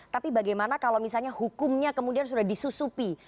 tapi bagaimana kalau misalnya hukumnya kemudian sudah disusupi